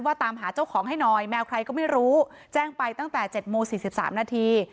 ว่าตามหาเจ้าของให้หน่อยแมวใครก็ไม่รู้แจ้งไปตั้งแต่เจ็ดโมงสี่สิบสามนาที